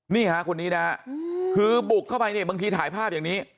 นี่ฮะคนนี้นะฮะคือบุกเข้าไปเนี่ยบางทีถ่ายภาพอย่างนี้